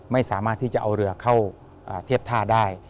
ไม่สามารถที่จะเอาเรือเข้าเทียบท่าได้